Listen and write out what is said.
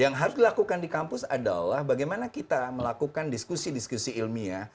yang harus dilakukan di kampus adalah bagaimana kita melakukan diskusi diskusi ilmiah